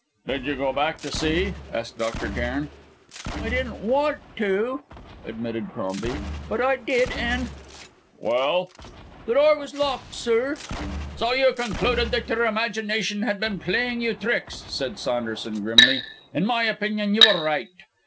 "Did you go back to see?" asked Dr. Cairn. "I didn't want to," admitted Crombie, "but I did and " "Well?" "The door was locked, sir!" "So you concluded that your imagination had been playing you tricks," said Saunderson grimly. "In my opinion you were right."